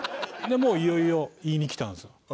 もういよいよ言いに来たんですよ。